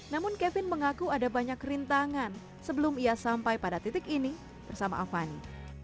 namun kevin mengaku ada banyak rintangan sebelum ia sampai pada titik ini bersama avani